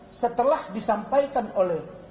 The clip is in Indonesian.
setelah disampaikan oleh